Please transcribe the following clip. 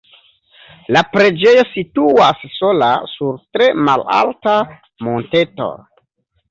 La preĝejo situas sola sur tre malalta monteto.